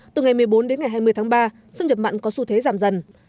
từ ngày một mươi bốn đến ngày hai mươi tháng ba xâm nhập mặn có xu thế giảm dần